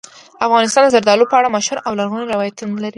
افغانستان د زردالو په اړه مشهور او لرغوني روایتونه لري.